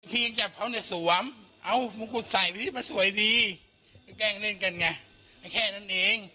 พี่จับเขาในสวมเอ้ามุมกุฎใส่ดีมาสวยดีแกล้งเล่นกันไงแค่นั้นเอง